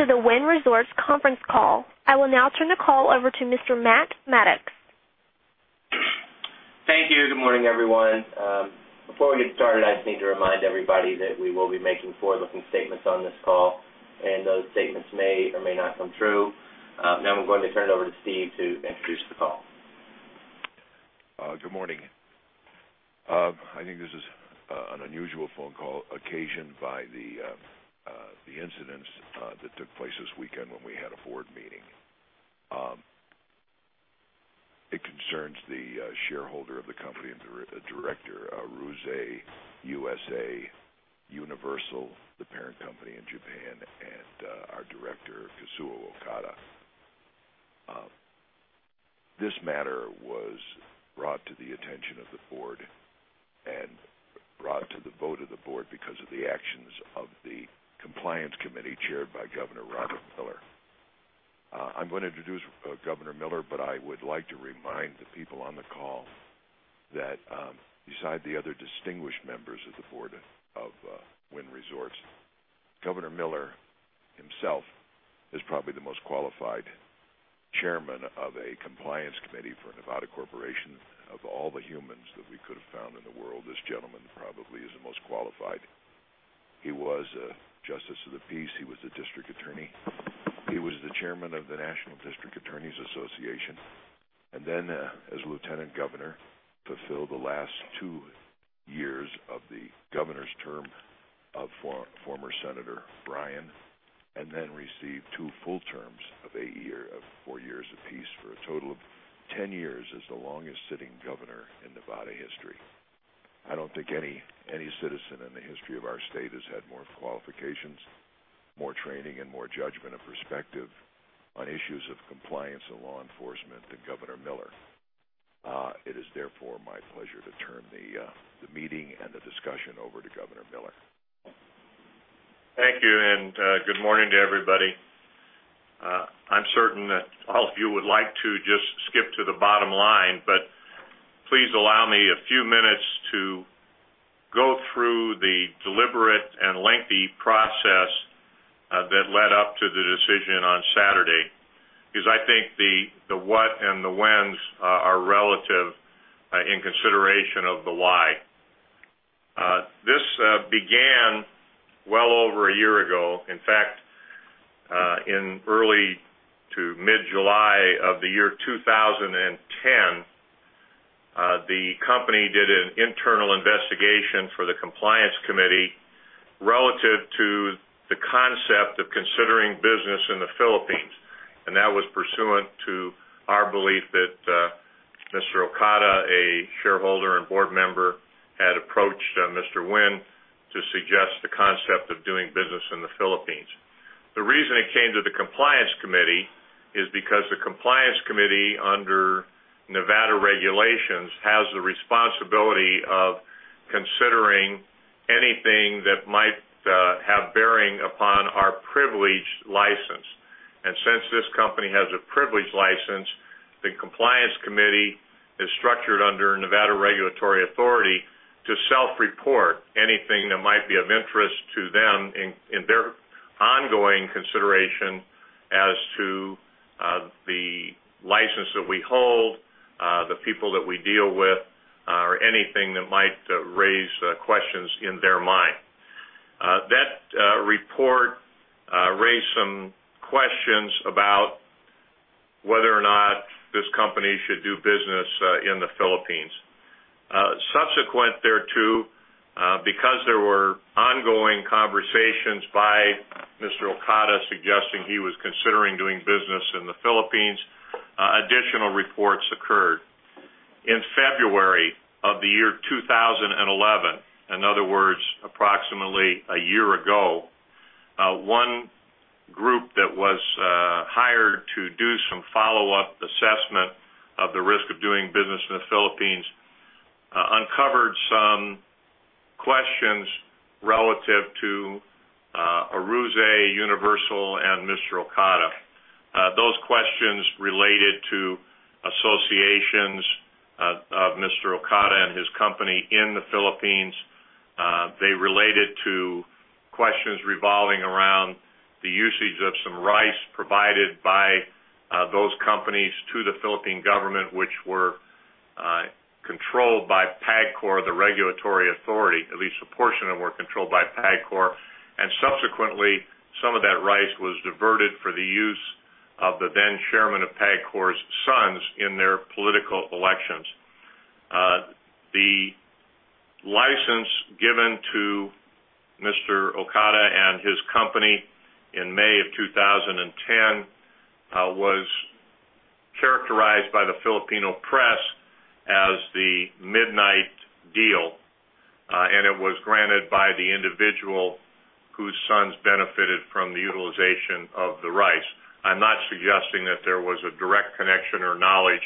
Welcome to the Wynn Resorts Conference Call. I will now turn the call over to Mr. Matt Maddox. Thank you. Good morning, everyone. Before we get started, I just need to remind everybody that we will be making forward-looking statements on this call, and those statements may or may not come true. I'm going to turn it over to Steve to introduce the call. Good morning. I think this is an unusual phone call occasioned by the incidents that took place this weekend when we had a forward meeting. It concerns the shareholder of the company and the director, Aruze USA, Universal, the parent company in Japan, and our director, Kazuo Okada. This matter was brought to the attention of the board and brought to the vote of the board because of the actions of the Compliance Committee chaired by Governor Robert Miller. I'm going to introduce Governor Miller, but I would like to remind the people on the call that, besides the other distinguished members of the board of Wynn Resorts, Governor Miller himself is probably the most qualified Chairman of a Compliance Committee for a Nevada corporation of all the humans that we could have found in the world. This gentleman probably is the most qualified. He was a Justice of the Peace. He was a District Attorney. He was the Chairman of the National District Attorneys Association. As Lieutenant Governor, he fulfilled the last two years of the Governor's term of former Senator Bryan, and then received two full terms of a year of four years apiece for a total of 10 years as the longest sitting Governor in Nevada history. I don't think any citizen in the history of our state has had more qualifications, more training, and more judgment of perspective on issues of compliance and law enforcement than Governor Miller. It is therefore my pleasure to turn the meeting and the discussion over to Governor Miller. Thank you, and good morning to everybody. I'm certain that all of you would like to just skip to the bottom line, but please allow me a few minutes to go through the deliberate and lengthy process that led up to the decision on Saturday because I think the what and the whens are relative in consideration of the why. This began well over a year ago. In fact, in early to mid-July of the year 2010, the company did an internal investigation for the Compliance Committee relative to the concept of considering business in the Philippines, and that was pursuant to our belief that Mr. Okada, a shareholder and board member, had approached Mr. Wynn to suggest the concept of doing business in the Philippines. The reason it came to the Compliance Committee is because the Compliance Committee, under Nevada regulations, has the responsibility of considering anything that might have bearing upon our privileged license. Since this company has a privileged license, the Compliance Committee is structured under Nevada regulatory authority to self-report anything that might be of interest to them in their ongoing consideration as to the license that we hold, the people that we deal with, or anything that might raise questions in their mind. That report raised some questions about whether or not this company should do business in the Philippines. Subsequent thereto, because there were ongoing conversations by Mr. Okada suggesting he was considering doing business in the Philippines, additional reports occurred. In February of the year 2011, in other words, approximately a year ago, one group that was hired to do some follow-up assessment of the risk of doing business in the Philippines uncovered some questions relative to Aruze Universal and Mr. Okada. Those questions related to associations of Mr. Okada and his company in the Philippines. They related to questions revolving around the usage of some rights provided by those companies to the Philippine government, which were controlled by PAGCOR, the regulatory authority. At least a portion of them were controlled by PAGCOR. Subsequently, some of that rights was diverted for the use of the then Chairman of PAGCOR's sons in their political elections. The license given to Mr. Okada and his company in May of 2010 was characterized by the Filipino press as the midnight deal, and it was granted by the individual whose sons benefited from the utilization of the rights. I'm not suggesting that there was a direct connection or knowledge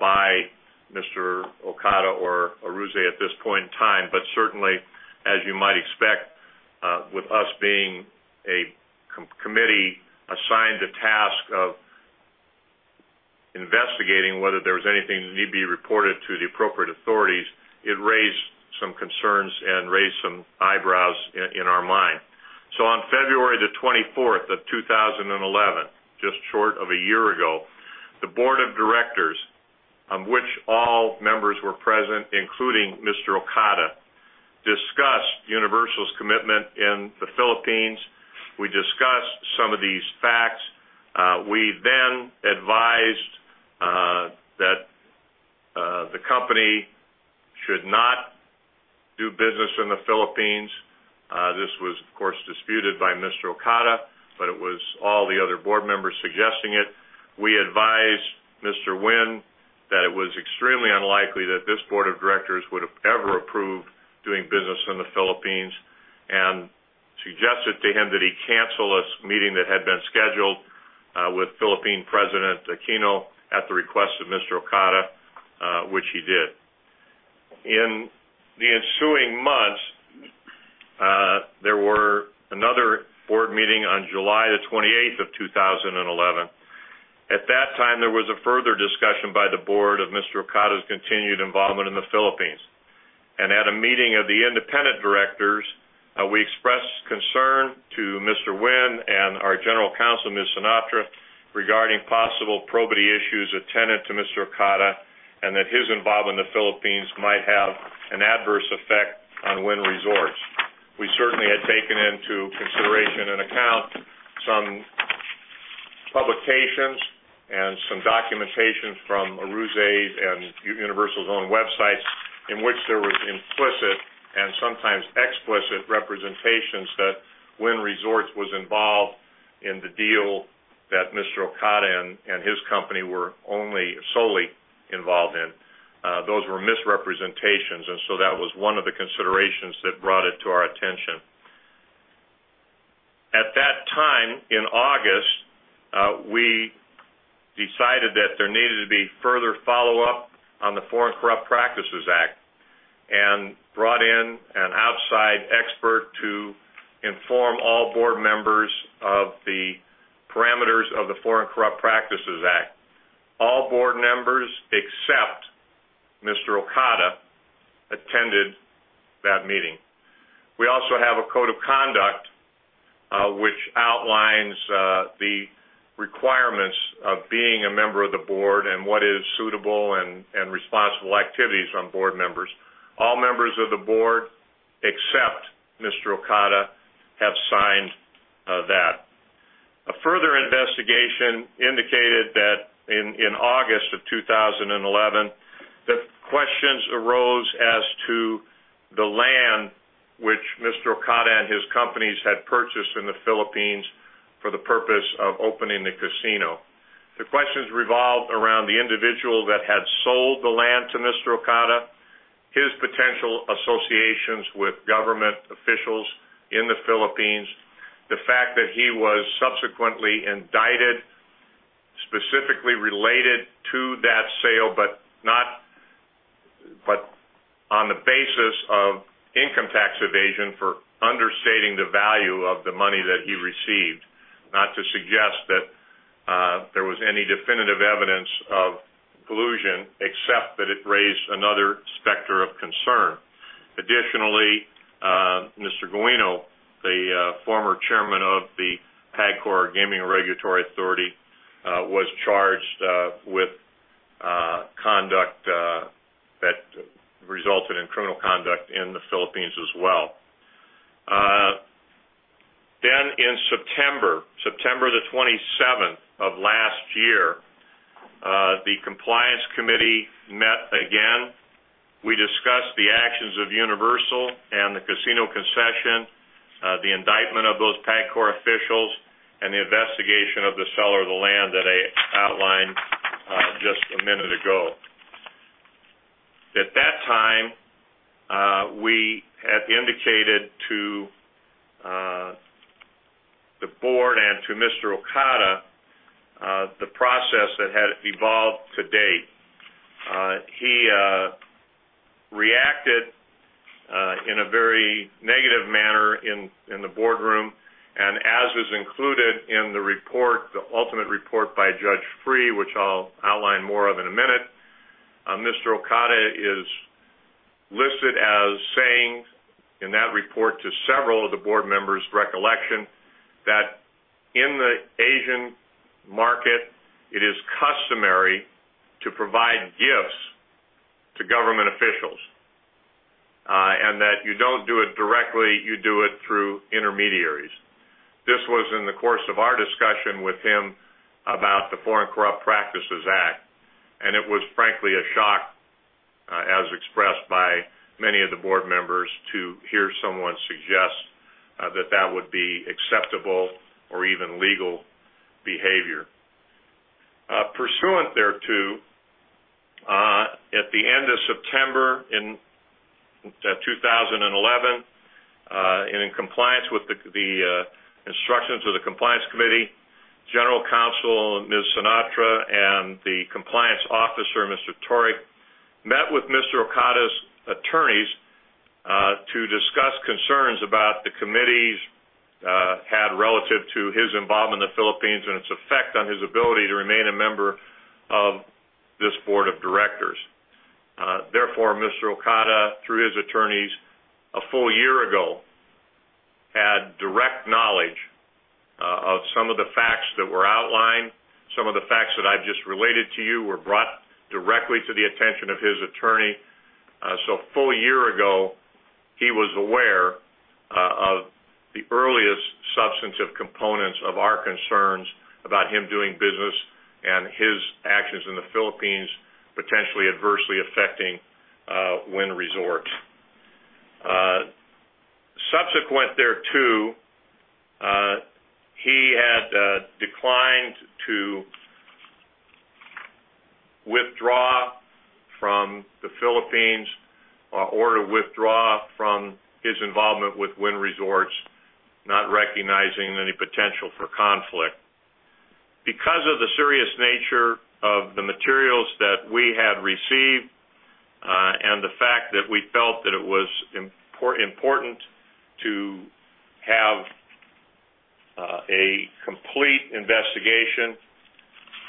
by Mr. Okada or Aruze at this point in time, but certainly, as you might expect, with us being a committee assigned the task of investigating whether there was anything that needed to be reported to the appropriate authorities, it raised some concerns and raised some eyebrows in our mind. On February 24, 2011, just short of a year ago, the board of directors, on which all members were present, including Mr. Okada, discussed Universal's commitment in the Philippines. We discussed some of these facts. We then advised that the company should not do business in the Philippines. This was, of course, disputed by Mr. Okada, but it was all the other board members suggesting it. We advised Mr. Wynn that it was extremely unlikely that this board of directors would have ever approved doing business in the Philippines and suggested to him that he cancel this meeting that had been scheduled with Philippine President Aquino at the request of Mr. Okada, which he did. In the ensuing months, there was another board meeting on July 28, 2011. At that time, there was a further discussion by the board of Mr. Okada's continued involvement in the Philippines. At a meeting of the independent directors, we expressed concern to Mr. Wynn and our General Counsel, Ms. Sinatra, regarding possible probity issues attendant to Mr. Okada and that his involvement in the Philippines might have an adverse effect on Wynn Resorts. We certainly had taken into consideration and account some publications and some documentation from Aruze and Universal's own websites in which there was implicit and sometimes explicit representations that Wynn Resorts was involved in the deal that Mr. Okada and his company were only solely involved in. Those were misrepresentations, and that was one of the considerations that brought it to our attention. At that time, in August, we decided that there needed to be further follow-up on the Foreign Corrupt Practices Act and brought in an outside expert to inform all board members of the parameters of the Foreign Corrupt Practices Act. All board members, except Mr. Okada, attended that meeting. We also have a code of conduct, which outlines the requirements of being a member of the board and what is suitable and responsible activities on board members. All members of the board, except Mr. Okada, have signed that. A further investigation indicated that in August of 2011, questions arose as to the land which Mr. Okada and his companies had purchased in the Philippines for the purpose of opening the casino. The questions revolved around the individual that had sold the land to Mr. Okada, his potential associations with government officials in the Philippines, the fact that he was subsequently indicted specifically related to that sale, but not on the basis of income tax evasion for understating the value of the money that he received, not to suggest that there was any definitive evidence of collusion, except that it raised another specter of concern. Additionally, Mr. Genuino, the former Chairman of the PAGCOR Gaming Regulatory Authority, was charged with conduct that resulted in criminal conduct in the Philippines as well. In September, September 27, 2011, the Compliance Committee met again. We discussed the actions of Universal and the casino concession, the indictment of those PAGCOR officials, and the investigation of the seller of the land that I outlined just a minute ago. At that time, we had indicated to the Board and to Mr. Okada the process that had evolved to date. He reacted in a very negative manner in the boardroom, and as was included in the report, the ultimate report by Judge Freeh, which I'll outline more of in a minute, Mr. Okada is listed as saying in that report to several of the Board members' recollection that in the Asian market, it is customary to provide gifts to government officials, and that you don't do it directly; you do it through intermediaries. This was in the course of our discussion with him about the Foreign Corrupt Practices Act, and it was frankly a shock, as expressed by many of the Board members, to hear someone suggest that that would be acceptable or even legal behavior. Pursuant thereto, at the end of September 2011, and in compliance with the instructions of the Compliance Committee, General Counsel Ms. Sinatra and the Compliance Officer Mr. Torick met with Mr. Okada's attorneys to discuss concerns the Committee had relative to his involvement in the Philippines and its effect on his ability to remain a member of this Board of Directors. Therefore, Mr. Okada, through his attorneys a full year ago, had direct knowledge of some of the facts that were outlined. Some of the facts that I've just related to you were brought directly to the attention of his attorney. A full year ago, he was aware of the earliest substantive components of our concerns about him doing business and his actions in the Philippines potentially adversely affecting Wynn Resorts. Subsequent thereto, he had declined to withdraw from the Philippines or to withdraw from his involvement with Wynn Resorts, not recognizing any potential for conflict. Because of the serious nature of the materials that we had received, and the fact that we felt that it was important to have a complete investigation,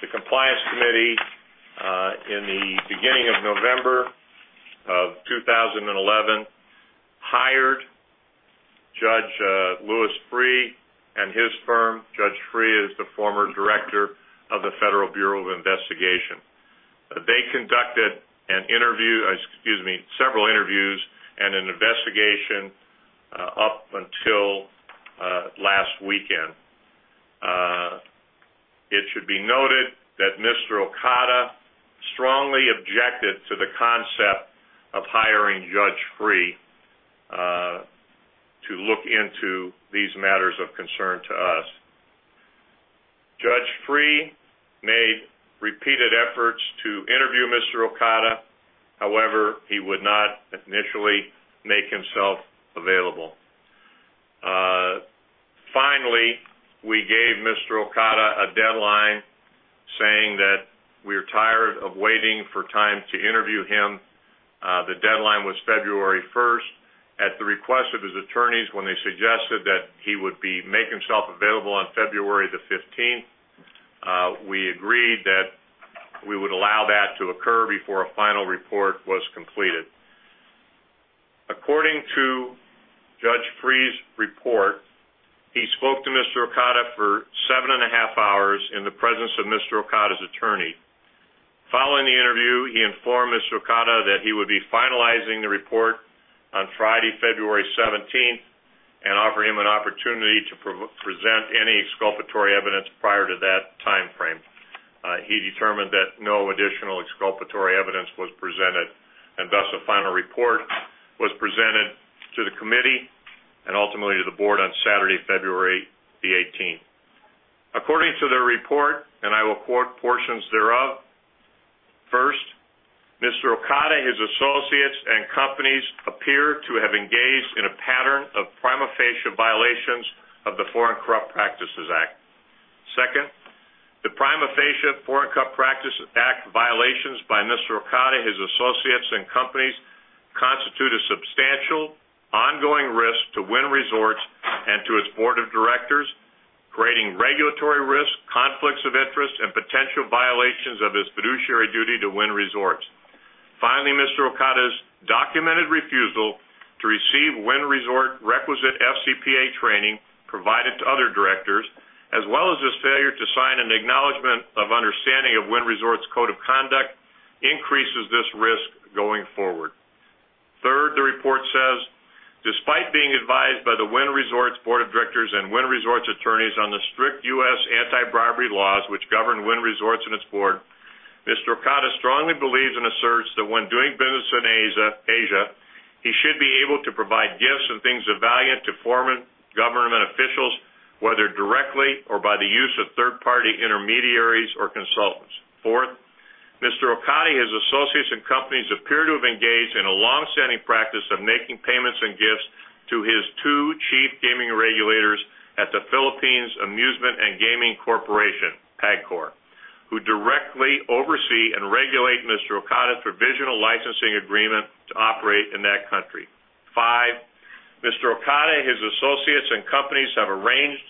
the Compliance Committee, in the beginning of November 2011, hired Judge Louis Freeh and his firm. Judge Freeh is the former Director of the Federal Bureau of Investigation. They conducted several interviews and an investigation up until last weekend. It should be noted that Mr. Okada strongly objected to the concept of hiring Judge Freeh to look into these matters of concern to us. Judge Freeh made repeated efforts to interview Mr. Okada; however, he would not initially make himself available. Finally, we gave Mr. Okada a deadline, saying that we were tired of waiting for time to interview him. The deadline was February 1st. At the request of his attorneys, when they suggested that he would make himself available on February 15th, we agreed that we would allow that to occur before a final report was completed. According to Judge Freeh's report, he spoke to Mr. Okada for seven and a half hours in the presence of Mr. Okada's attorney. Following the interview, he informed Mr. Okada that he would be finalizing the report on Friday, February 17th, and offered him an opportunity to present any exculpatory evidence prior to that time frame. He determined that no additional exculpatory evidence was presented, and thus a final report was presented to the committee and ultimately to the board on Saturday, February 18th. According to the report, and I will quote portions thereof, "First, Mr. Okada and his associates and companies appear to have engaged in a pattern of prima facie violations of the Foreign Corrupt Practices Act. Second, the prima facie Foreign Corrupt Practices Act violations by Mr. Okada and his associates and companies constitute a substantial ongoing risk to Wynn Resorts and to its board of directors, creating regulatory risk, conflicts of interest, and potential violations of his fiduciary duty to Wynn Resorts. Finally, Mr. Okada's documented refusal to receive Wynn Resorts requisite FCPA training provided to other directors, as well as his failure to sign an acknowledgment of understanding of Wynn Resorts' code of conduct, increases this risk going forward. Third, the report says, "Despite being advised by the Wynn Resorts board of directors and Wynn Resorts attorneys on the strict U.S. anti-bribery laws which govern Wynn Resorts and its board, Mr. Okada strongly believes and asserts that when doing business in Asia, he should be able to provide gifts and things of value to foreign government officials, whether directly or by the use of third-party intermediaries or consultants." Fourth, Mr. Okada and his associates and companies appear to have engaged in a longstanding practice of making payments and gifts to his two chief gaming regulators at the Philippine Amusement and Gaming Corporation, PAGCOR, who directly oversee and regulate Mr. Okada's provisional licensing agreement to operate in that country. Five, Mr. Okada and his associates and companies have arranged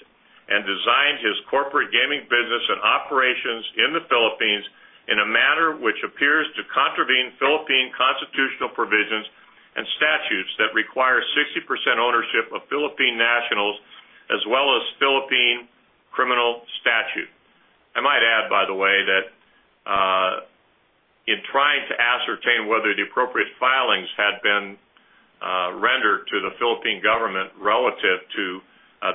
and designed his corporate gaming business and operations in the Philippines in a manner which appears to contravene Philippine constitutional provisions and statutes that require 60% ownership of Philippine nationals as well as Philippine criminal statute. I might add, by the way, that in trying to ascertain whether the appropriate filings had been rendered to the Philippine government relative to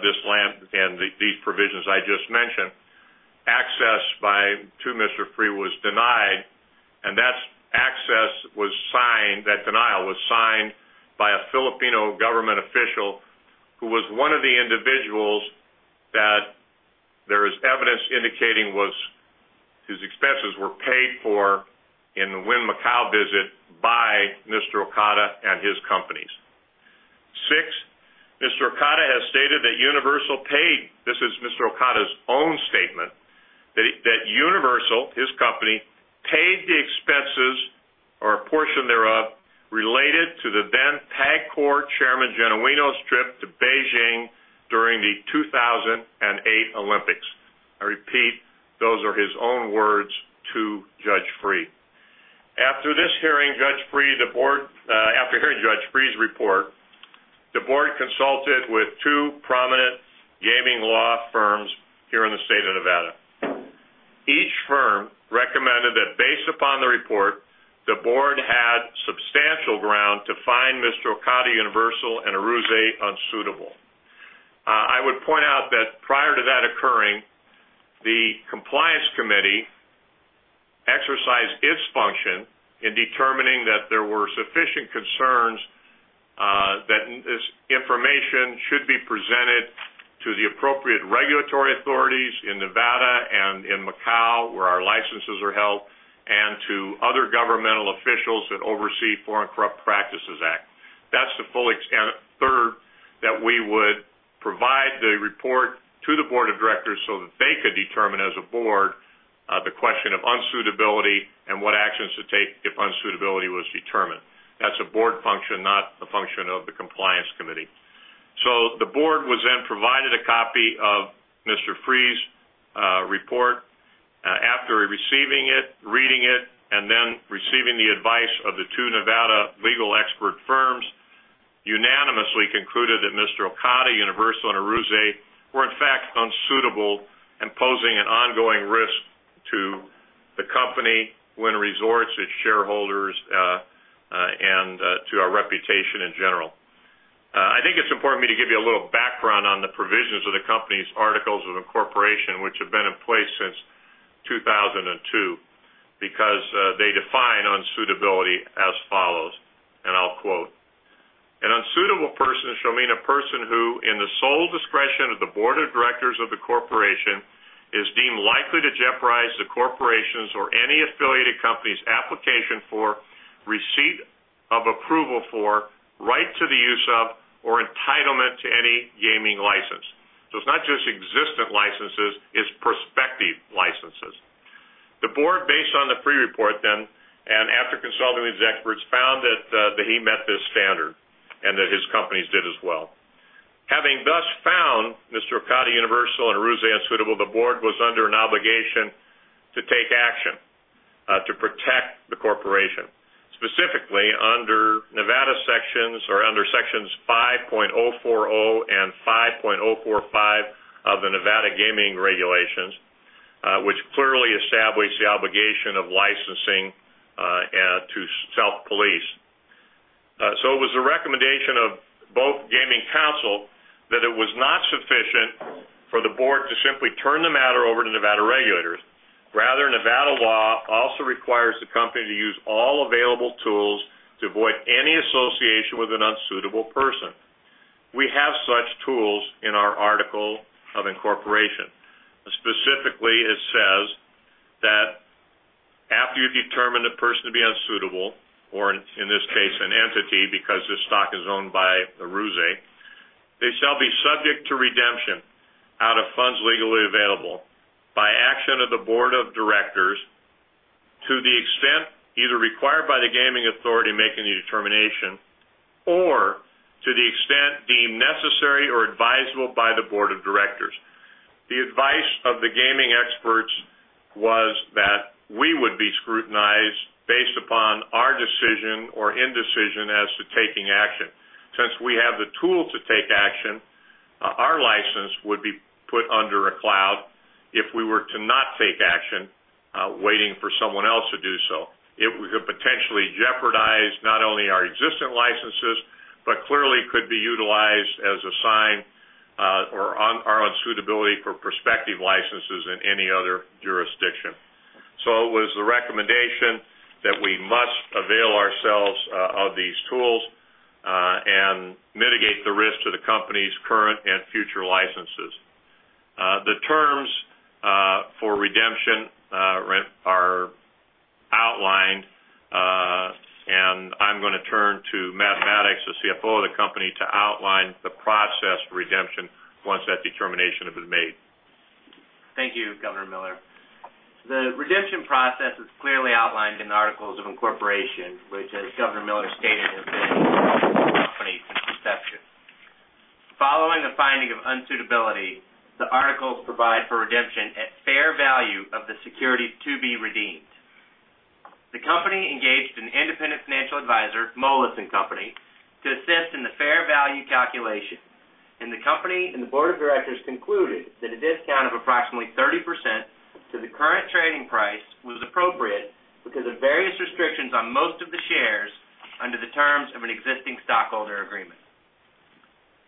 this land and these provisions I just mentioned, access to Mr. Freeh was denied, and that denial was signed by a Filipino government official who was one of the individuals that there is evidence indicating whose expenses were paid for in the Wynn Macau visit by Mr. Okada and his companies. Six, Mr. Okada has stated that Universal paid—this is Mr. Okada's own statement—that Universal, his company, paid the expenses or a portion thereof related to the then PAGCOR Chairman Genuino's trip to Beijing during the 2008 Olympics. I repeat, those are his own words to Judge Freeh. After this hearing, Judge Freeh, the board, after hearing Judge Freeh's report, the board consulted with two prominent gaming law firms here in the state of Nevada. Each firm recommended that, based upon the report, the board had substantial ground to find Mr. Okada, Universal, and Aruze unsuitable. I would point out that prior to that occurring, the Compliance Committee exercised its function in determining that there were sufficient concerns, that this information should be presented to the appropriate regulatory authorities in Nevada and in Macau, where our licenses are held, and to other governmental officials that oversee the Foreign Corrupt Practices Act. That's the full extent. Third, that we would provide the report to the Board of Directors so that they could determine, as a board, the question of unsuitability and what actions to take if unsuitability was determined. That's a board function, not a function of the Compliance Committee. The board was then provided a copy of Mr. Freeh's report. After receiving it, reading it, and then receiving the advice of the two Nevada legal expert firms, unanimously concluded that Mr. Okada, Universal, and Aruze were, in fact, unsuitable and posing an ongoing risk to the company, Wynn Resorts, its shareholders, and to our reputation in general. I think it's important for me to give you a little background on the provisions of the company's articles of incorporation, which have been in place since 2002, because they define unsuitability as follows, and I'll quote, "An unsuitable person shall mean a person who, in the sole discretion of the Board of Directors of the corporation, is deemed likely to jeopardize the corporation's or any affiliated company's application for receipt of approval for, right to the use of, or entitlement to any gaming license." It's not just existent licenses, it's prospective licenses. The board, based on the Freeh report then, and after consulting with these experts, found that he met this standard and that his companies did as well. Having thus found Mr. Okada, Universal, and Aruze unsuitable, the board was under an obligation to take action to protect the corporation, specifically under Nevada sections or under sections 5.040 and 5.045 of the Nevada gaming regulations, which clearly establish the obligation of licensing to self-police. It was a recommendation of both gaming counsel that it was not sufficient for the board to simply turn the matter over to Nevada regulators. Nevada law also requires the company to use all available tools to avoid any association with an unsuitable person. We have such tools in our articles of incorporation. Specifically, it says that after you determine the person to be unsuitable, or in this case, an entity because this stock is owned by Aruze, they shall be subject to redemption out of funds legally available by action of the Board of Directors to the extent either required by the gaming authority making a determination or to the extent deemed necessary or advisable by the Board of Directors. The advice of the gaming experts was that we would be scrutinized based upon our decision or indecision as to taking action. Since we have the tools to take action, our license would be put under a cloud if we were to not take action, waiting for someone else to do so. It could potentially jeopardize not only our existing licenses but clearly could be utilized as a sign, or on our unsuitability for prospective licenses in any other jurisdiction. It was the recommendation that we must avail ourselves of these tools and mitigate the risk to the company's current and future licenses. The terms for redemption are outlined, and I'm going to turn to Matt Maddox, the CFO of the company, to outline the process of redemption once that determination has been made. Thank you, Governor Miller. The redemption process is clearly outlined in the articles of incorporation, which, as Governor Miller stated, have been often made since the inception. Following the finding of unsuitability, the articles provide for redemption at fair value of the securities to be redeemed. The company engaged an independent financial advisor, Moelis & Company, to assist in the fair value calculation. The company and the Board of Directors concluded that a discount of approximately 30% to the current trading price was appropriate because of various restrictions on most of the shares under the terms of an existing stockholder agreement.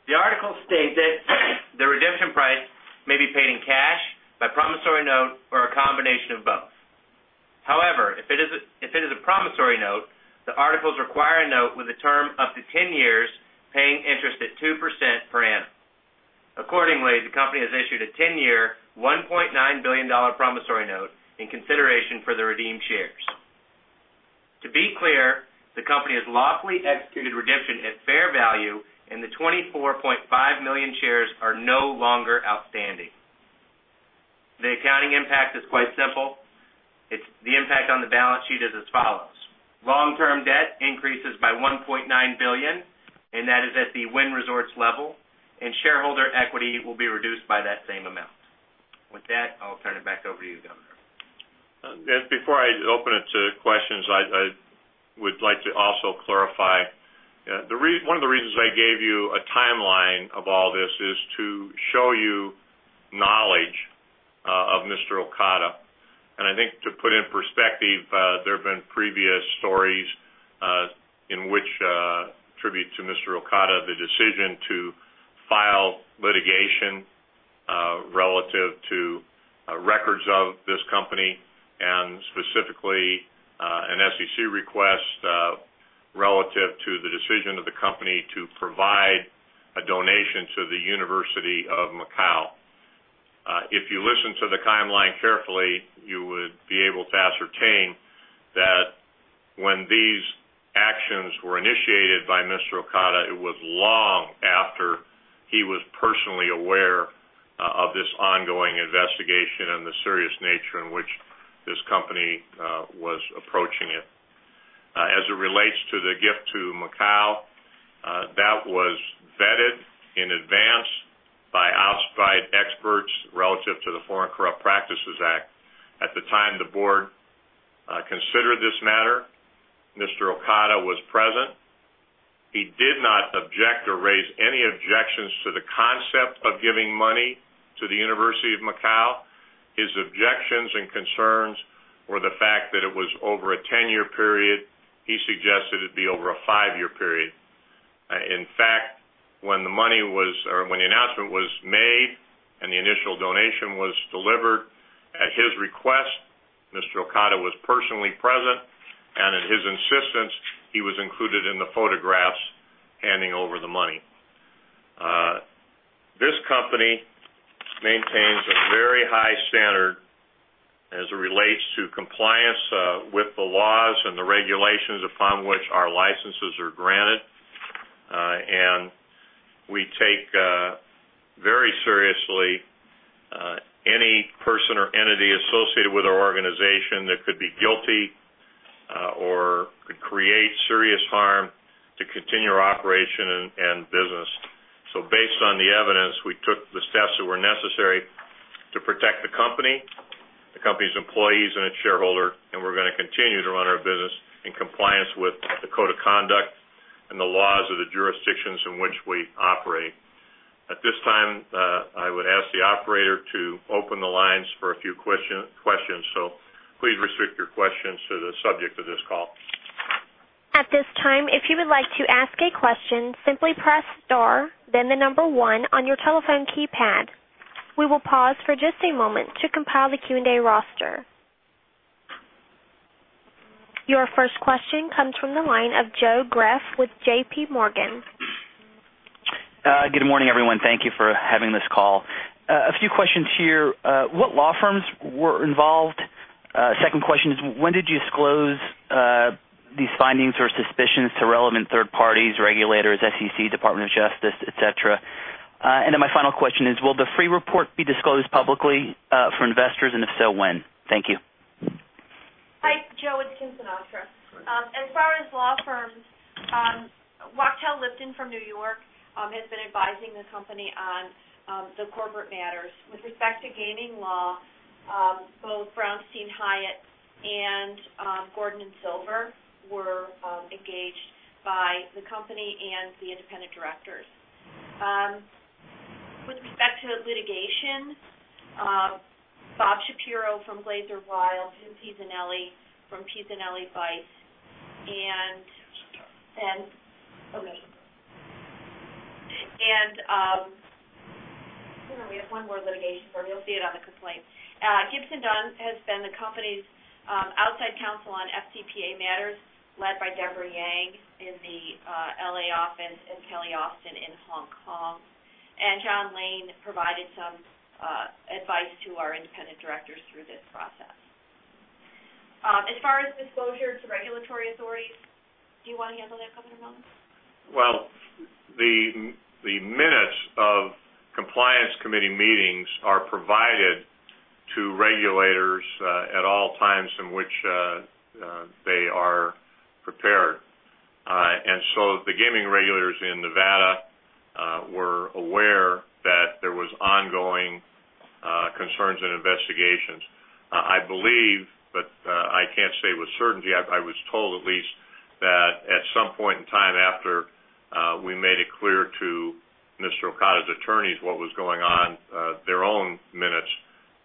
The articles state that the redemption price may be paid in cash, by promissory note, or a combination of both. However, if it is a promissory note, the articles require a note with a term up to 10 years, paying interest at 2% per annum. Accordingly, the company has issued a 10-year, $1.9 billion promissory note in consideration for the redeemed shares. To be clear, the company has lawfully executed redemption at fair value, and the 24.5 million shares are no longer outstanding. The accounting impact is quite simple. It's the impact on the balance sheet as it follows: long-term debt increases by $1.9 billion, and that is at the Wynn Resorts level, and shareholder equity will be reduced by that same amount. With that, I'll turn it back over to you, Governor. Just before I open it to questions, I would like to also clarify, one of the reasons I gave you a timeline of all this is to show you knowledge of Mr. Okada. I think to put in perspective, there have been previous stories which attribute to Mr. Okada the decision to file litigation relative to records of this company and specifically, an SEC request relative to the decision of the company to provide a donation to the University of Macau. If you listen to the timeline carefully, you would be able to ascertain that when these actions were initiated by Mr. Okada, it was long after he was personally aware of this ongoing investigation and the serious nature in which this company was approaching it. As it relates to the gift to Macau, that was vetted in advance by outside experts relative to the Foreign Corrupt Practices Act. At the time the board considered this matter, Mr. Okada was present. He did not object or raise any objections to the concept of giving money to the University of Macau. His objections and concerns were the fact that it was over a 10-year period. He suggested it be over a 5-year period. In fact, when the money was, or when the announcement was made and the initial donation was delivered, at his request, Mr. Okada was personally present, and at his insistence, he was included in the photographs handing over the money. This company maintains a very high standard as it relates to compliance with the laws and the regulations upon which our licenses are granted. We take very seriously any person or entity associated with our organization that could be guilty, or could create serious harm to continue our operation and business. Based on the evidence, we took the steps that were necessary to protect the company, the company's employees, and its shareholders, and we are going to continue to run our business in compliance with the code of conduct and the laws of the jurisdictions in which we operate. At this time, I would ask the operator to open the lines for a few questions, so please restrict your questions to the subject of this call. At this time, if you would like to ask a question, simply press star, then the number one on your telephone keypad. We will pause for just a moment to compile the Q&A roster. Your first question comes from the line of Joe Greff with JPMorgan. Good morning, everyone. Thank you for having this call. A few questions here. What law firms were involved? Second question is, when did you disclose these findings or suspicions to relevant third parties, regulators, SEC, Department of Justice, etc.? My final question is, will the Freeh report be disclosed publicly for investors, and if so, when? Thank you. Hi, Joe. It's Kim Sinatra. As far as law firms, Marc Chen-Lipton from New York has been advising the company on the corporate matters. With respect to gaming law, both Brownstein Hyatt and Gordon & Silver were engaged by the company and the independent directors. With respect to litigation, Bob Shapiro from Glaser Weil, [Vincent Zahn from Gibson Dunn], and I'm going to read up one more litigation firm. You'll see it on the complaint. Gibson Dunn has been the company's outside counsel on FCPA matters led by Deborah Yang in the LA office and Kelly Austin in Hong Kong. John Lane provided some advice to our independent directors through this process. As far as disclosure to regulatory authorities, do you want to handle that, Governor Robert Miller? The minutes of Compliance Committee meetings are provided to regulators at all times in which they are prepared, and so the gaming regulators in Nevada were aware that there were ongoing concerns and investigations. I believe, but I can't say with certainty, I was told at least that at some point in time after we made it clear to Mr. Okada's attorneys what was going on, their own minutes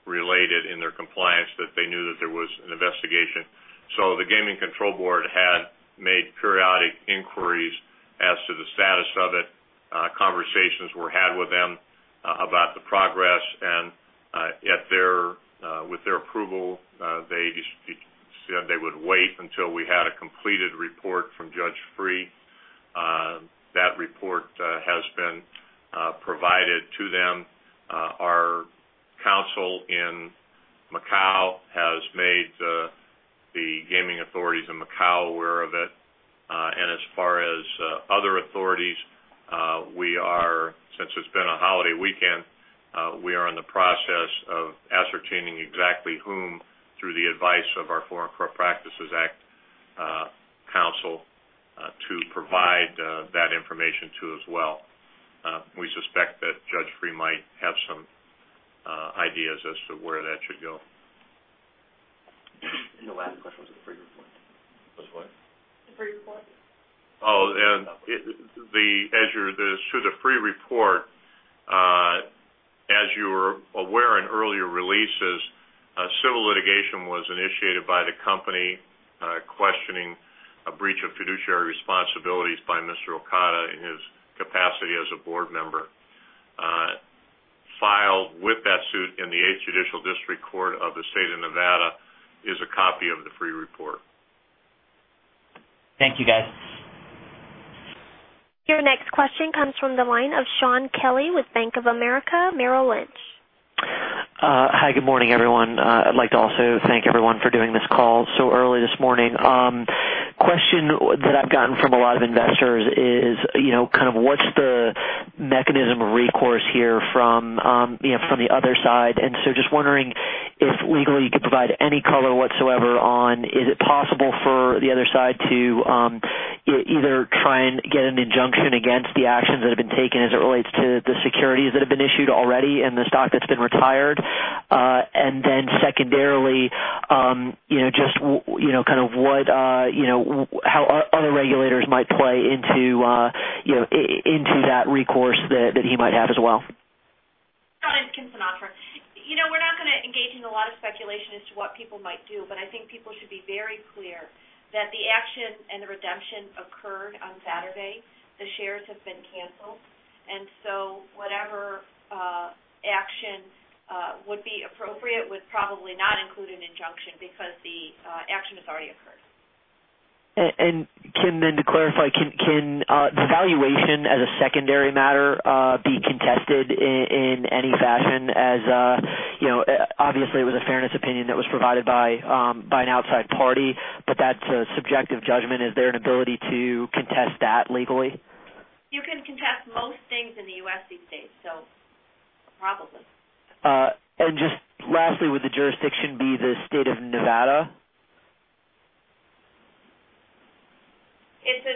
related in their compliance that they knew that there was an investigation. The Gaming Control Board had made periodic inquiries as to the status of it. Conversations were had with them about the progress, and with their approval, they just said they would wait until we had a completed report from Judge Freeh. That report has been provided to them. Our counsel in Macau has made the gaming authorities in Macau aware of it. As far as other authorities, since it's been a holiday weekend, we are in the process of ascertaining exactly whom, through the advice of our Foreign Corrupt Practices Act counsel, to provide that information to as well. We suspect that Judge Freeh might have some ideas as to where that should go. Your last question was the Freeh report. Was what? The Freeh report. As you're, to the Freeh report, as you were aware in earlier releases, civil litigation was initiated by the company, questioning a breach of fiduciary responsibilities by Mr. Okada in his capacity as a board member. Filed with that suit in the Eighth Judicial District Court of the state of Nevada is a copy of the Freeh report. Thank you, guys. Your next question comes from the line of Shaun Kelley with Bank of America. Hi. Good morning, everyone. I'd like to also thank everyone for doing this call so early this morning. A question that I've gotten from a lot of investors is, you know, kind of what's the mechanism of recourse here from, you know, from the other side. Just wondering if legally you could provide any color whatsoever on is it possible for the other side to either try and get an injunction against the actions that have been taken as it relates to the securities that have been issued already and the stock that's been retired? Secondarily, you know, just what, you know, how other regulators might play into that recourse that he might have as well. Got it. Kim Sinatra. We're not going to engage in a lot of speculation as to what people might do, but I think people should be very clear that the action and the redemption occurred on Saturday. The shares have been canceled, so whatever action would be appropriate would probably not include an injunction because the action has already occurred. Kim, to clarify, can the valuation as a secondary matter be contested in any fashion? Obviously, it was a fairness opinion that was provided by an outside party, but that's a subjective judgment. Is there an ability to contest that legally? You can contest most things in the U.S. these days, so no problem with it. Just lastly, would the jurisdiction be the state of Nevada? It's a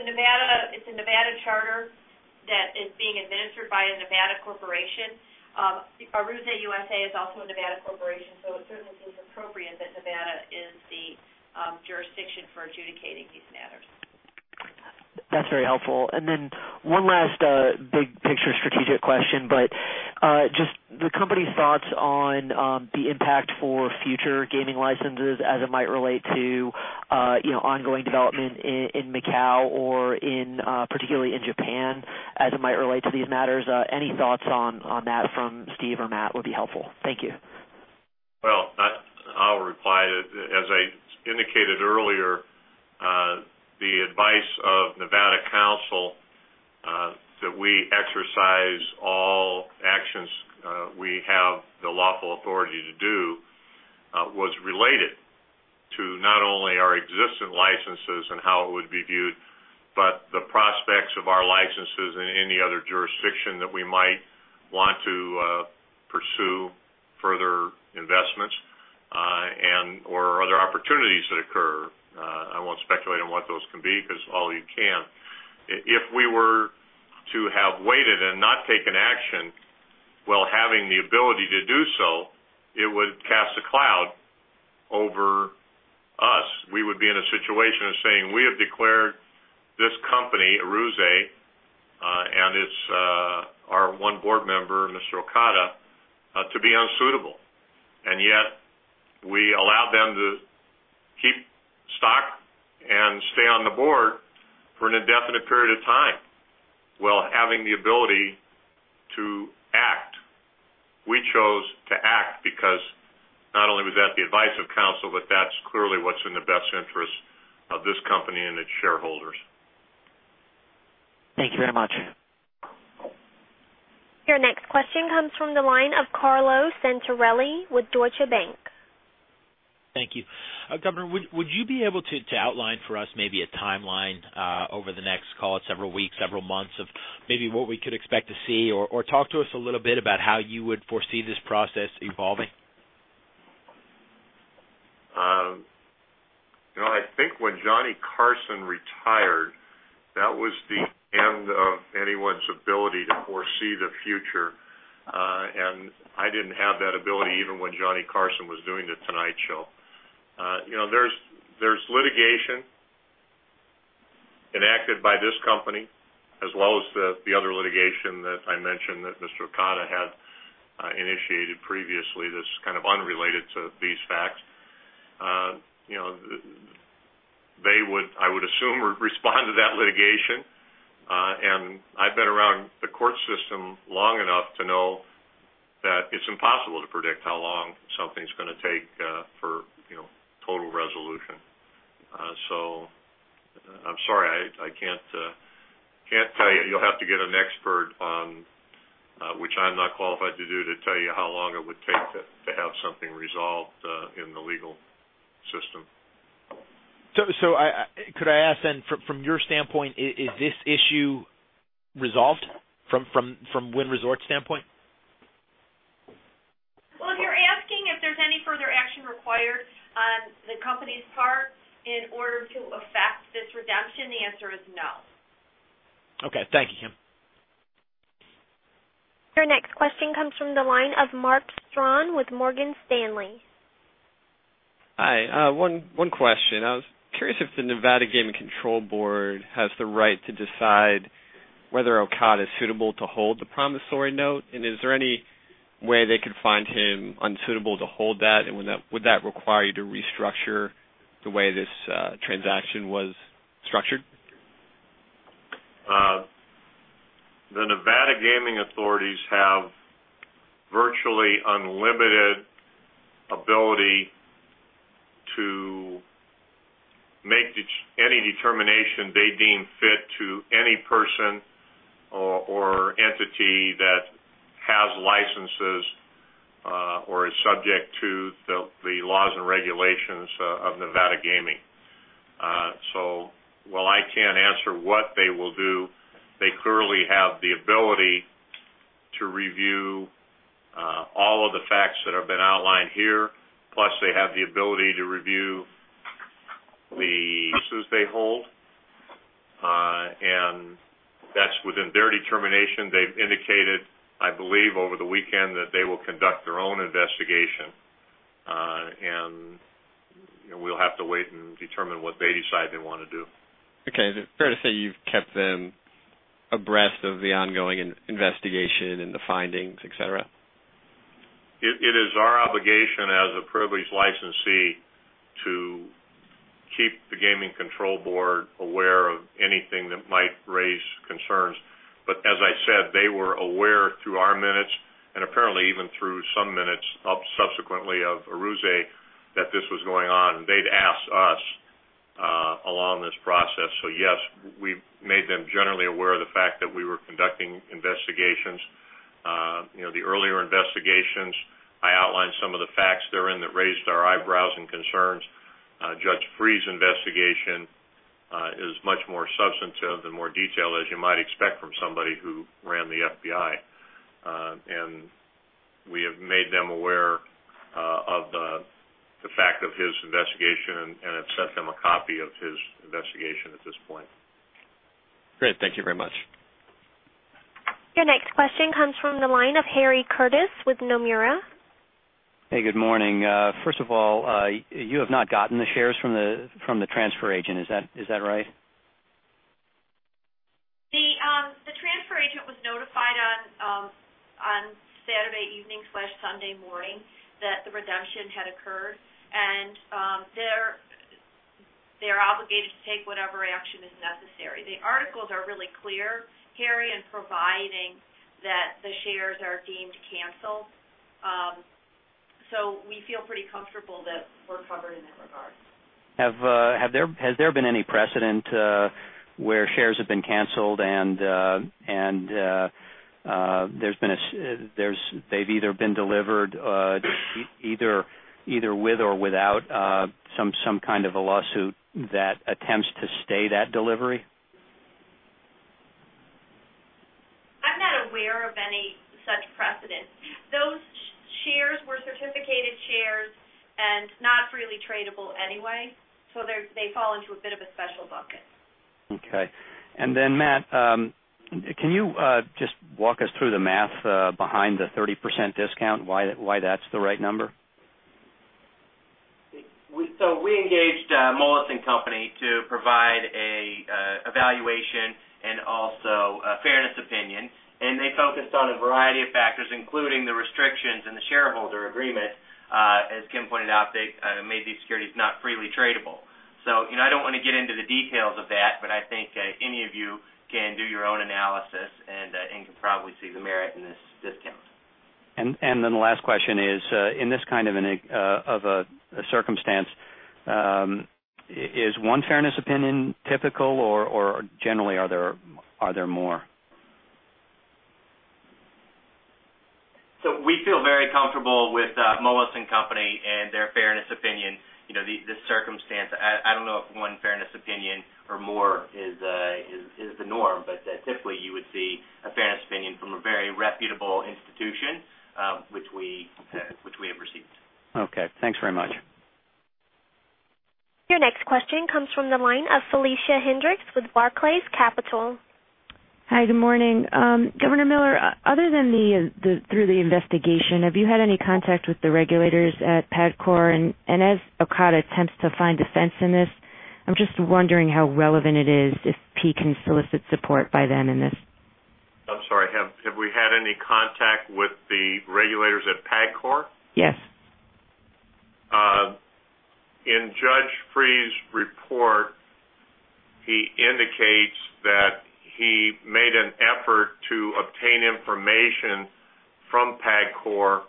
Nevada charter that is being administered by a Nevada corporation. Aruze USA is also a Nevada corporation, so it certainly seems appropriate that Nevada is the jurisdiction for adjudicating these matters. That's very helpful. One last big-picture strategic question, just the company's thoughts on the impact for future gaming licenses as it might relate to ongoing development in Macau or particularly in Japan as it might relate to these matters. Any thoughts on that from Steve or Matt would be helpful. Thank you. As I indicated earlier, the advice of Nevada counsel that we exercise all actions we have the lawful authority to do was related to not only our existing licenses and how it would be viewed, but the prospects of our licenses in any other jurisdiction that we might want to pursue further investments and/or other opportunities that occur. I won't speculate on what those can be because all you can. If we were to have waited and not taken action while having the ability to do so, it would cast a cloud over us. We would be in a situation of saying we have declared this company, Aruze, and its, our one board member, Mr. Okada, to be unsuitable, and yet we allowed them to keep stock and stay on the board for an indefinite period of time while having the ability to act. We chose to act because not only was that the advice of counsel, but that's clearly what's in the best interest of this company and its shareholders. Thank you very much. Your next question comes from the line of Carlo Santarelli with Deutsche Bank. Thank you. Governor, would you be able to outline for us maybe a timeline over the next, call it, several weeks or several months of maybe what we could expect to see, or talk to us a little bit about how you would foresee this process evolving? You know, I think when Johnny Carson retired, that was the end of anyone's ability to foresee the future. I didn't have that ability even when Johnny Carson was doing The Tonight Show. There's litigation enacted by this company as well as the other litigation that I mentioned that Mr. Okada had initiated previously that's kind of unrelated to these facts. They would, I would assume, respond to that litigation. I've been around the court system long enough to know that it's impossible to predict how long something's going to take for total resolution. I'm sorry. I can't tell you. You'll have to get an expert on, which I'm not qualified to do, to tell you how long it would take to have something resolved in the legal system. Could I ask then, from your standpoint, is this issue resolved from Wynn Resorts' standpoint? If you're asking if there's any further action required on the company's part in order to effect this redemption, the answer is no. Okay. Thank you, Kim. Your next question comes from the line of Mark Strawn with Morgan Stanley. Hi. One question. I was curious if the Nevada Gaming Control Board has the right to decide whether Okada is suitable to hold the promissory note, and is there any way they could find him unsuitable to hold that? Would that require you to restructure the way this transaction was structured? The Nevada gaming authorities have virtually unlimited ability to make any determination they deem fit to any person or entity that has licenses or is subject to the laws and regulations of Nevada gaming. While I can't answer what they will do, they clearly have the ability to review all of the facts that have been outlined here, plus they have the ability to review the suits they hold. That's within their determination. They've indicated, I believe, over the weekend that they will conduct their own investigation. You know, we'll have to wait and determine what they decide they want to do. Okay. Is it fair to say you've kept them abreast of the ongoing investigation and the findings, etc.? It is our obligation as a privileged licensee to keep the Gaming Control Board aware of anything that might raise concerns. As I said, they were aware through our minutes and apparently even through some minutes subsequently of Aruze that this was going on. They'd asked us along this process. Yes, we made them generally aware of the fact that we were conducting investigations. You know, the earlier investigations, I outlined some of the facts therein that raised our eyebrows and concerns. Judge Freeh's investigation is much more substantive and more detailed, as you might expect from somebody who ran the FBI. We have made them aware of the fact of his investigation and have sent them a copy of his investigation at this point. Great, thank you very much. Your next question comes from the line of Harry Curtis with Nomura. Hey, good morning. First of all, you have not gotten the shares from the transfer agent. Is that right? The transfer agent was notified on Saturday evening/Sunday morning that the redemption had occurred, and they're obligated to take whatever action is necessary. The articles are really clear, Harry, providing that the shares are deemed canceled. We feel pretty comfortable that we're covered in that regard. Has there been any precedent where shares have been canceled and there's been a situation where they've either been delivered either with or without some kind of a lawsuit that attempts to stay that delivery? I'm not aware of any such precedent. Those shares were certificated shares and not freely tradable anyway, so they fall into a bit of a special bucket. Okay. Matt, can you just walk us through the math behind the 30% discount and why that's the right number? We engaged Moelis & Company to provide an evaluation and also a fairness opinion. They focused on a variety of factors, including the restrictions in the shareholder agreement. As Kim pointed out, they made these securities not freely tradable. I don't want to get into the details of that, but I think any of you can do your own analysis and can probably see the merit in this discount. In this kind of a circumstance, is one fairness opinion typical or generally, are there more? We feel very comfortable with Moelis & Company and their fairness opinion. The circumstance, I don't know if one fairness opinion or more is the norm, but typically you would see a fairness opinion from a very reputable institution, which we have received. Okay, thanks very much. Your next question comes from the line of Felicia Hendrix with Barclays Capital. Hi. Good morning. Governor Miller, other than through the investigation, have you had any contact with the regulators at PAGCOR? As Okada attempts to find a fence in this, I'm just wondering how relevant it is if he can solicit support by them in this. I'm sorry. Have we had any contact with the regulators at PAGCOR? Yes. In Judge Freeh's report, he indicates that he made an effort to obtain information from PAGCOR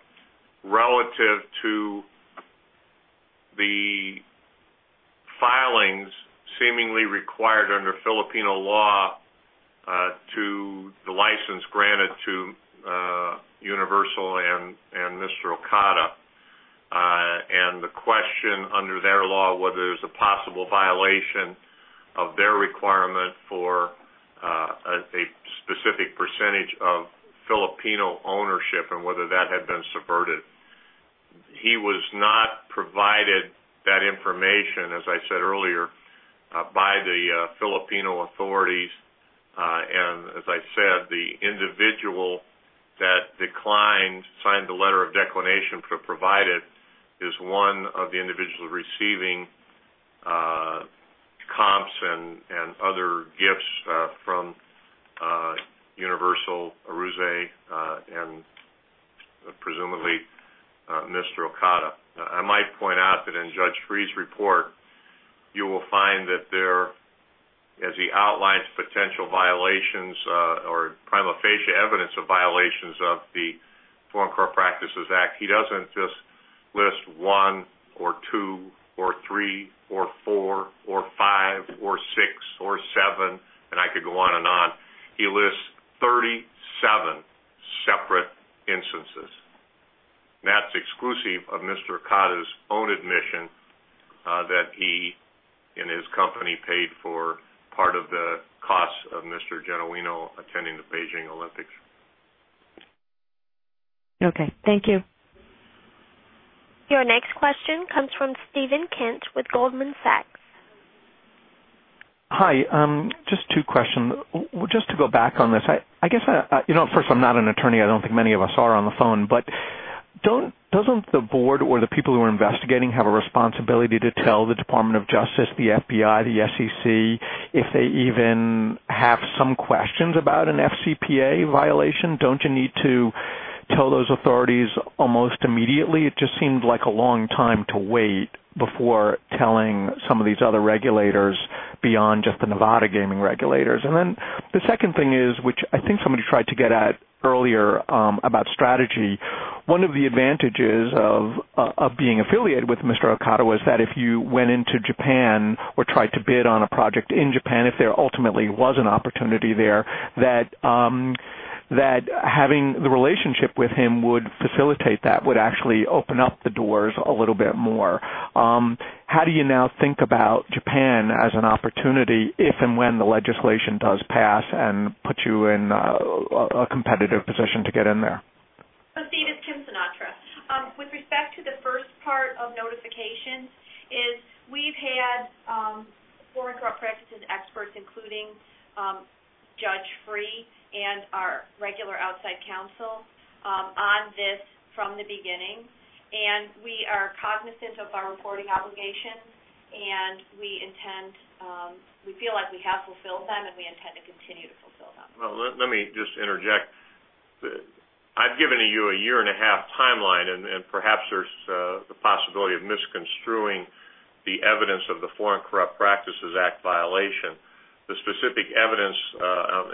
relative to the filings seemingly required under Filipino law, to the license granted to Universal and Mr. Okada, and the question under their law, whether there's a possible violation of their requirement for a specific percentage of Filipino ownership and whether that had been subverted. He was not provided that information, as I said earlier, by the Filipino authorities. As I said, the individual that declined, signed the letter of declination to provide it, is one of the individuals receiving comps and other gifts from Universal, Aruze, and presumably Mr. Okada. I might point out that in Judge Freeh's report, you will find that there, as he outlines potential violations or prima facie evidence of violations of the Foreign Corrupt Practices Act, he doesn't just list one or two or three or four or five or six or seven, and I could go on and on. He lists 37 separate instances. That's exclusive of Mr. Okada's own admission that he and his company paid for part of the costs of Mr. Genuino attending the Beijing Olympics. Okay, thank you. Your next question comes from Steven Kent with Goldman Sachs. Hi. Just two questions. Just to go back on this, I guess I, you know, first, I'm not an attorney. I don't think many of us are on the phone, but doesn't the board or the people who are investigating have a responsibility to tell the Department of Justice, the FBI, the SEC if they even have some questions about an FCPA violation? Don't you need to tell those authorities almost immediately? It just seemed like a long time to wait before telling some of these other regulators beyond just the Nevada gaming regulators. The second thing is, which I think somebody tried to get at earlier, about strategy, one of the advantages of being affiliated with Mr. Okada was that if you went into Japan or tried to bid on a project in Japan, if there ultimately was an opportunity there, that having the relationship with him would facilitate that, would actually open up the doors a little bit more. How do you now think about Japan as an opportunity if and when the legislation does pass and puts you in a competitive position to get in there? Steve, this is Kim Sinatra. With respect to the first part of notifications, we've had Foreign Corrupt Practices Act experts, including Judge Freeh and our regular outside counsel, on this from the beginning. We are cognizant of our reporting obligation, and we intend, we feel like we have fulfilled them, and we intend to continue to fulfill them. Let me just interject. I've given you a year and a half timeline, and perhaps there's the possibility of misconstruing the evidence of the Foreign Corrupt Practices Act violation. The specific evidence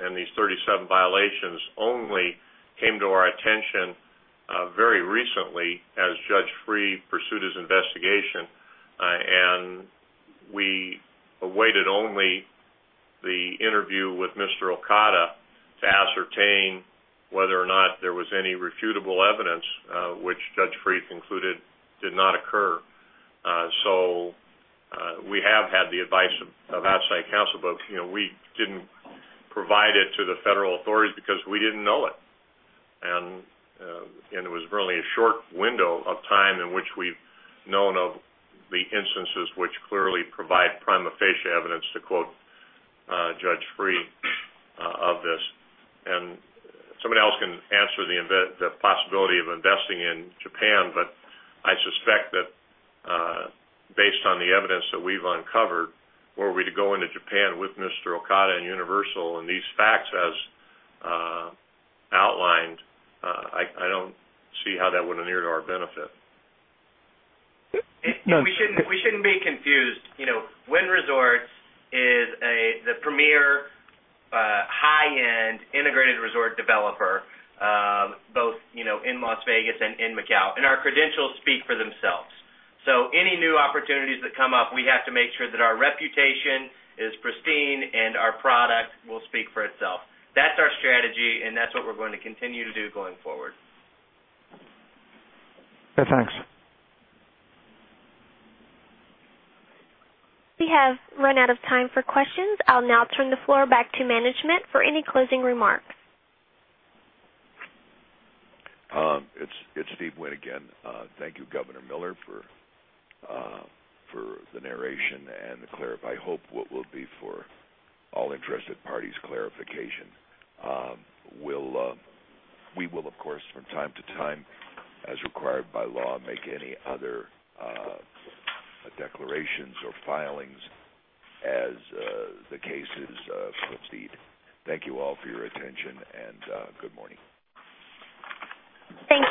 on these 37 violations only came to our attention very recently as Judge Freeh pursued his investigation. We awaited only the interview with Mr. Okada to ascertain whether or not there was any refutable evidence, which Judge Freeh concluded did not occur. We have had the advice of outside counsel, but we didn't provide it to the federal authorities because we didn't know it. It was really a short window of time in which we've known of the instances which clearly provide promissory evidence, to quote Judge Freeh, of this. Somebody else can answer the possibility of investing in Japan, but I suspect that, based on the evidence that we've uncovered, were we to go into Japan with Mr. Okada and Universal Entertainment Corporation and these facts as outlined, I don't see how that would endear to our benefit. We shouldn't be confused. You know, Wynn Resorts is the premier, high-end integrated resort developer, both, you know, in Las Vegas and in Macau. Our credentials speak for themselves. Any new opportunities that come up, we have to make sure that our reputation is pristine and our product will speak for itself. That's our strategy, and that's what we're going to continue to do going forward. Yeah. Thanks. We have run out of time for questions. I'll now turn the floor back to management for any closing remark. It's Deep Wind again. Thank you, Governor Miller, for the narration and the clarification. I hope what will be for all interested parties, clarification. We will, of course, from time to time, as required by law, make any other declarations or filings as the cases proceed. Thank you all for your attention, and good morning. Thank you.